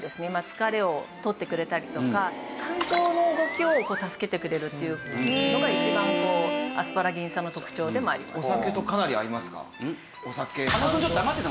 疲れを取ってくれたりとか肝臓の動きを助けてくれるっていうのが一番アスパラギン酸の特徴でもあります。